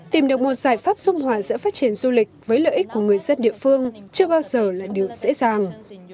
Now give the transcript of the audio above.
tìm được một giải pháp xung hòa giữa phát triển du lịch với lợi ích của người dân địa phương chưa bao giờ là điều dễ dàng